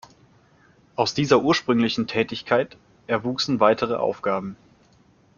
Aus dieser ursprünglichen Tätigkeit erwuchsen weitere Aufgaben.